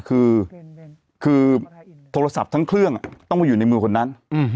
คือโทรศัพท์ทั้งเครื่องต้องมาอยู่ในมือคนนั้น